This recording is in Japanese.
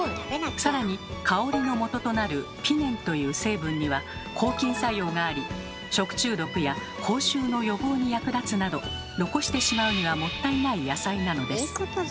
さらに香りのもととなるピネンという成分には抗菌作用があり食中毒や口臭の予防に役立つなど残してしまうにはもったいない野菜なのです。